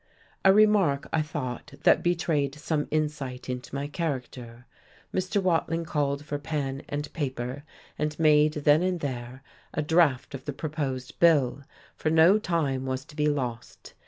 A remark, I thought, that betrayed some insight into my character... Mr. Watling called for pen and paper and made then and there a draft of the proposed bill, for no time was to be lost.